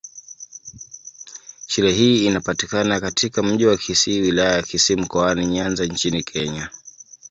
Shule hii inapatikana katika Mji wa Kisii, Wilaya ya Kisii, Mkoani Nyanza nchini Kenya.